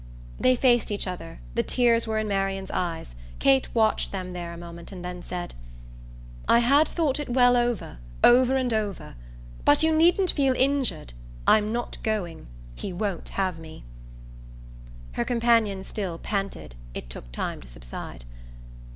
They faced each other the tears were in Marian's eyes. Kate watched them there a moment and then said: "I had thought it well over over and over. But you needn't feel injured. I'm not going. He won't have me." Her companion still panted it took time to subside.